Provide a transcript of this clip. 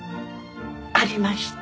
ありました。